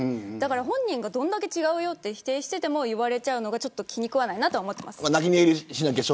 本人がどれだけ違うと否定しても言われちゃうのが気に食わないと思っています。